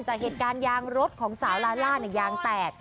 จากเหตุการณ์ยางรถของสาวลาล่ายางแตก